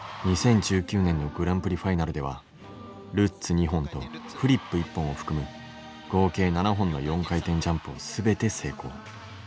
２０１９年のグランプリファイナルではルッツ２本とフリップ１本を含む合計７本の４回転ジャンプを全て成功。